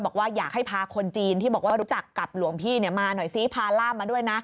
บอกว่าอยากให้พาคนจีนที่บอกว่ารู้จักกับหลวงพี่มาหน่อยซิพาล่ามมาด้วยนะ